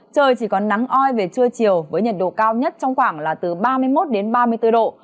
trời chỉ còn nắng oi về trưa chiều với nhiệt độ cao nhất trong khoảng là từ ba mươi một đến ba mươi bốn độ